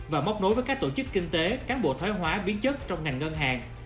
và móc nối với các tổ chức kinh tế cán bộ thoái hóa biến chất trong ngành ngân hàng